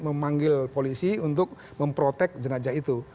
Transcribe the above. memanggil polisi untuk memprotek jenajah itu